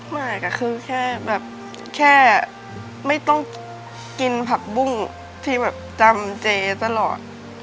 ไม่ก็คือแค่แบบแค่ไม่ต้องกินผักบุ้งที่แบบจำเจตลอด